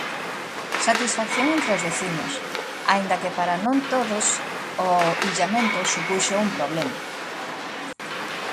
Satisfacción entre os veciños, aínda que para non todos o illamento supuxo un problema.